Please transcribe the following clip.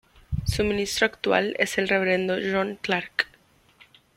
Su ministro actual es el reverendo John Clarke.